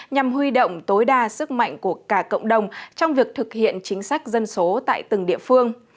nhằm huy động tối đa sức mạnh của cả cộng đồng trong việc thực hiện chính sách dân số tại từng địa phương